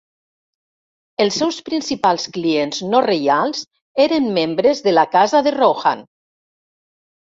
Els seus principals clients no reials eren membres de la casa de Rohan.